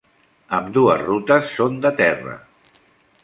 Ambdues rutes són de terra.